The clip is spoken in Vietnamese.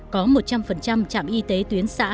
có một trăm linh trạm y tế tuyến xã